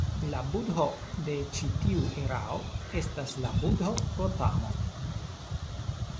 La budho de ĉi tiu erao estas la budho Gotamo.